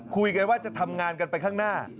คุยกันว่าจะทำงานกันไปข้างหน้า